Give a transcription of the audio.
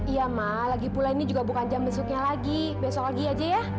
iya mah lagi pula ini juga bukan jam besoknya lagi besok lagi aja ya